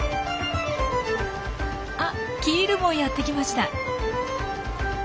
あキールもやって来ました。